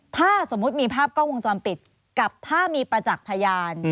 ถ้าสมมุติมีภาพกล้องวงจรปิดกับถ้ามีประจักษ์พยาน